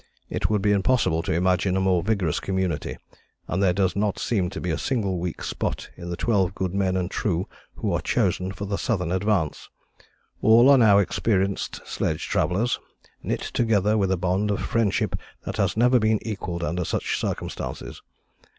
It would be impossible to imagine a more vigorous community, and there does not seem to be a single weak spot in the twelve good men and true who are chosen for the Southern advance. All are now experienced sledge travellers, knit together with a bond of friendship that has never been equalled under such circumstances.